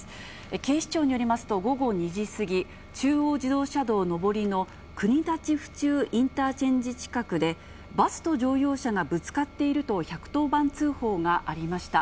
警視庁によりますと、午後２時過ぎ、中央自動車道上りの国立府中インターチェンジ近くで、バスと乗用車がぶつかっていると１１０番通報がありました。